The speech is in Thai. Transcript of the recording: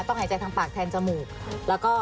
ต้องหายใจทางปากแทนจมูก